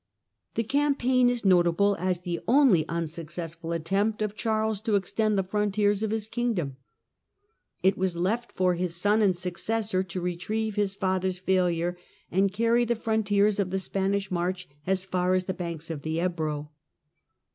The campaign is notable as the only unsuc cessful attempt of Charles to extend the frontiers of his kingdom. It was left for his son and successor to retrieve his father's failure, and carry the frontiers of the Spanish March as far as the banks of the Ebro.